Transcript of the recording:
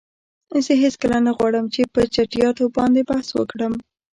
زه هیڅکله نه غواړم چې په چټییاتو باندی بحث وکړم.